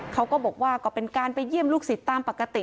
เขาก็บอกว่าก็เป็นการไปเยี่ยมลูกศิษย์ตามปกติ